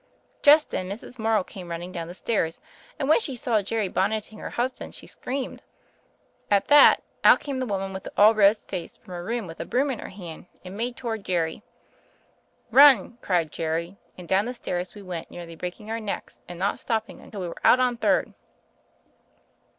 Just then, Mrs. Morrow came running down the stairs and when she saw Jerry bonneting her husband she screamed. At that, out came the woman with the all rose face from her room with a broom in her hand, and made toward Jerry. 'Run,' cried Jerry, and down the stairs we went nearly breaking our necks, and not stopping until we were out on Third."